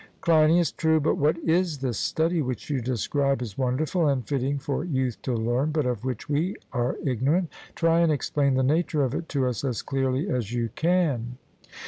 CLEINIAS: True; but what is this study which you describe as wonderful and fitting for youth to learn, but of which we are ignorant? Try and explain the nature of it to us as clearly as you can.